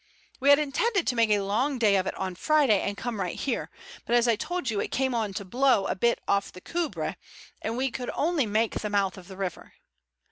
We had intended to make a long day of it on Friday and come right here, but as I told you it came on to blow a bit off the Coubre, and we could only make the mouth of the river.